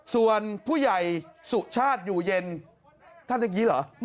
ส่วนผู้ใหญ่สุชาติอยู่เย็นท่านเมื่อกี้เหรอ